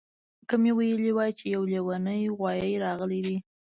که مې ویلي وای چې یو لیونی غوایي راغلی دی